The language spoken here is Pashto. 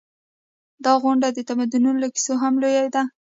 دا غونډ د تمدنونو له کیسو هم لوی دی.